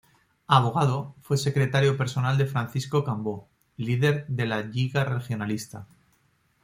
Abogado, fue secretario personal de Francisco Cambó, líder de la Lliga Regionalista.